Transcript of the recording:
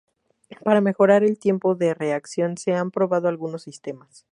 Para mejorar el tiempo de reacción se han probado algunos sistemas.